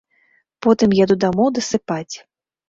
Потым еду дамоў дасыпаць.